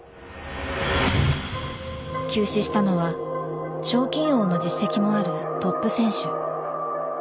急死したのは賞金王の実績もあるトップ選手。